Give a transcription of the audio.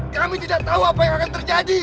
kami tidak tahu apa yang akan terjadi